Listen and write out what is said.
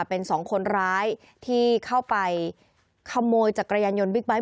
เป็นสองคนร้ายที่เข้าไปขโมยจักรยานยนต์บิ๊กไบท์